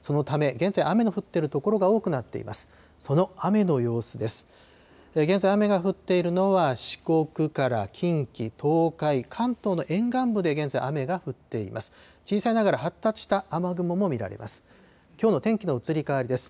現在雨が降っているのは、四国から近畿、東海、関東の沿岸部で、現在雨が降っています。